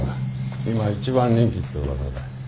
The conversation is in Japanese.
今一番人気ってうわさだ。